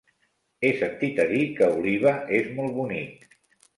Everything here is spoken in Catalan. He sentit a dir que Oliva és molt bonic.